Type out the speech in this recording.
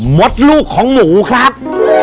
มดลูกของหมูครับ